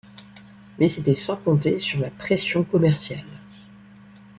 Mais c’était sans compter sur la pression commerciale.